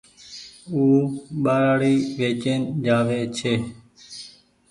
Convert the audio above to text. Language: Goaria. او ٻآرآڙي ويچين جآوي ڇي